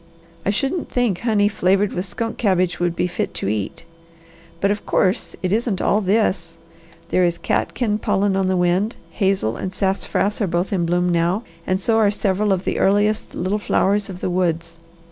I shouldn't think honey flavoured with skunk cabbage would be fit to eat. But, of course, it isn't all this. There is catkin pollen on the wind, hazel and sassafras are both in bloom now, and so are several of the earliest little flowers of the woods.